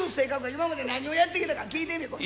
今まで何をやってきたか聞いてみコラ。